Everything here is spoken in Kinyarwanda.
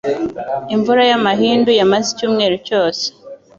Imvura y'amahindu yamaze icyumweru cyose.